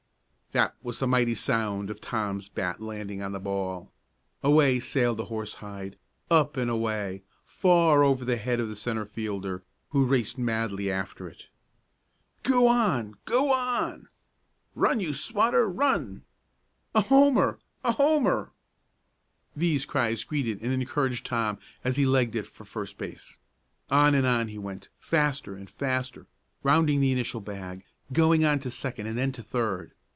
That was the mighty sound of Tom's bat landing on the ball. Away sailed the horsehide up and away, far over the head of the centre fielder, who raced madly after it. "Go on! Go on!" "Run, you swatter, run!" "A homer! A homer!" These cries greeted and encouraged Tom as he legged it for first base. On and on he went, faster and faster, rounding the initial bag, going on to second and then to third.